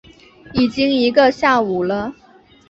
已经一个下午了